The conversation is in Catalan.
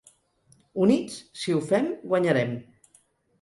Units, si ho fem, guanyarem.